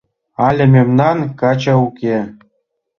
Але мемнан каче уке